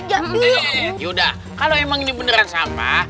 yaudah kalau emang ini beneran sampah